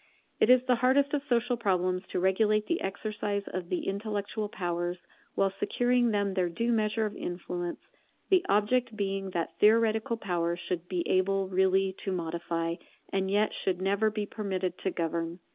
It is the hardest of social problems to regulate the exercise of the intellectual powers, while securing them their due measure of influence; the object being that theoretical power should be able really to modify, and yet should never be permitted to govern.